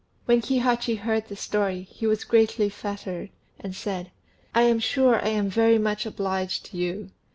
When Kihachi heard this story, he was greatly flattered, and said "I am sure I am very much obliged to you.